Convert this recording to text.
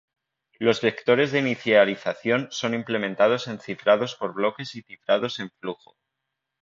Los vectores de inicialización son implementados en cifrados por bloques y cifrados en flujo.